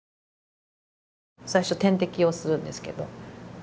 最初点滴をするんですけど。